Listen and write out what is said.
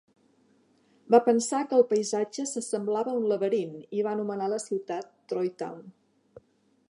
Va pensar que el paisatge s'assemblava a un laberint i va anomenar la ciutat Troytown.